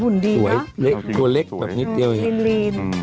ฝูนดีหรอสวยเล็กตัวเล็กแบบนิดเดียวไงเห็นลีน